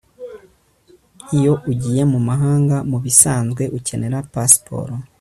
Iyo ugiye mumahanga mubisanzwe ukenera pasiporo